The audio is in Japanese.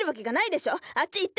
あっちへ行って！